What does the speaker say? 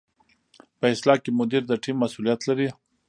په اصطلاح کې مدیر د ټیم مسؤلیت لري.